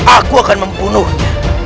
aku akan membunuhnya